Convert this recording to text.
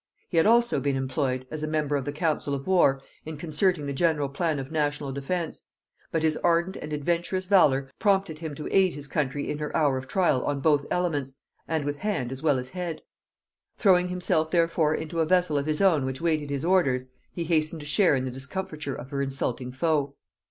He had also been employed, as a member of the council of war, in concerting the general plan of national defence: but his ardent and adventurous valor prompted him to aid his country in her hour of trial on both elements, and with hand as well as head: throwing himself therefore into a vessel of his own which waited his orders, he hastened to share in the discomfiture of her insulting foe.